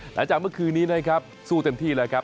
หลังจากเมื่อคือนี้สู้เต็มที่เลยครับ